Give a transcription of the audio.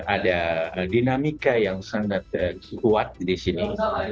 ada dinamika yang sangat kuat di sini